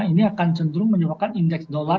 ini akan cenderung menyebabkan indeks dollar